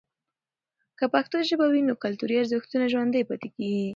که پښتو ژبه وي، نو کلتوري ارزښتونه ژوندۍ پاتې کیږي.